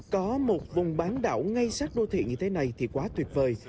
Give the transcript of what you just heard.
có một vùng bán đảo ngay sát đô thị như thế này thì quá tuyệt vời